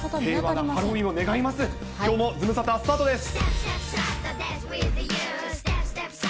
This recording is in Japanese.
きょうもズムサタ、スタートです。